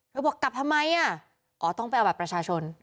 บอกกลับทำไมอ่ะอ๋อต้องไปเอาบัตรประชาชน